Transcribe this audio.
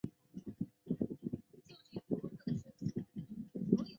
金世宗诏令完颜璋赴元帅都监徒单合喜军前任使。